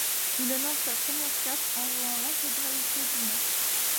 Il honore sa première cape en jouant l'intégralité du match.